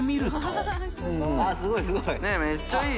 あっすごいすごい。